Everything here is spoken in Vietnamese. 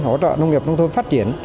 hỗ trợ nông nghiệp nông thôn phát triển